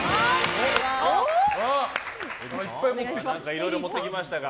いろいろ持ってきましたが。